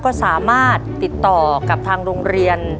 ก็สามารถติดต่อกับทางโรงเรียน